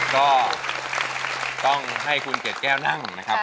ก็ต้องให้คุณเกดแก้วนั่งนะครับ